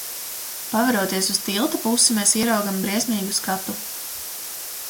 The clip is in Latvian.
Paveroties uz tilta pusi mēs ieraugam briesmīgu skatu.